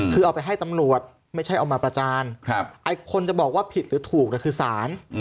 คือเอาไปให้ตำรวจไม่ใช่เอามาประจานไอ้คนจะบอกว่าผิดหรือถูกคือสาร